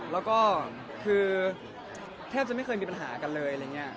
แล้วก็คือแทบจะไม่เคยมีปัญหากันเลยอะไรอย่างนี้